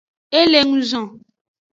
E le nguzo.